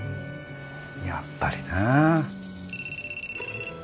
やっぱりな。